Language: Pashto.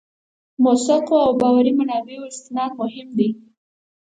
موثقو او باوري منابعو استناد مهم دی.